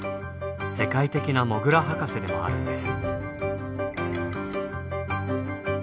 世界的なモグラ博士でもあるんです。